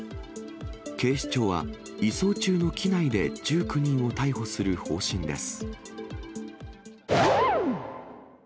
警視庁は移送中の機内で１９人を逮捕する方針です。